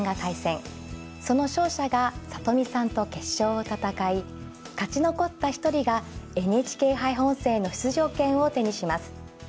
その勝者が里見さんと決勝を戦い勝ち残った一人がＮＨＫ杯本戦への出場権を手にします。